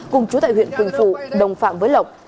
cùng chú tại huyện quỳnh phụ đồng phạm với lộc